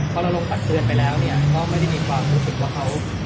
พอเราลงปัดเตือนไปแล้วเนี่ยก็ไม่ได้มีความรู้สึกว่าเขา